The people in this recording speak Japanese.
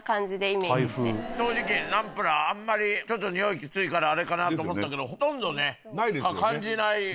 正直ナンプラーあんまりちょっとにおいキツいからあれかなと思ったけどほとんどね感じないぐらい。